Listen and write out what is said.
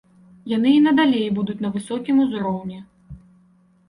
Яны і надалей будуць на высокім узроўні.